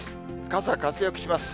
傘活躍します。